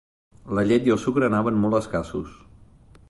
La llet i el sucre anaven molt escassos